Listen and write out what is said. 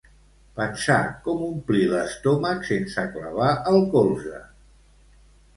Pensar com omplir l'estómac sense clavar el colze